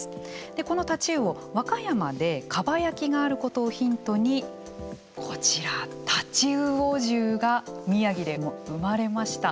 このタチウオ和歌山でかば焼きがあることをヒントにこちらタチウオ重が宮城でも生まれました。